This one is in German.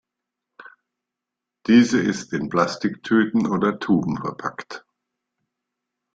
Diese ist in Plastiktüten oder Tuben verpackt.